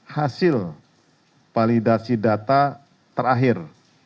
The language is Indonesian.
hasil validasi data terakhir